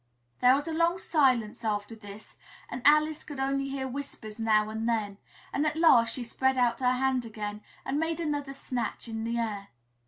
There was a long silence after this and Alice could only hear whispers now and then, and at last she spread out her hand again and made another snatch in the air.